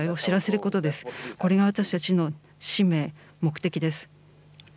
これが私たちの使命、目的です。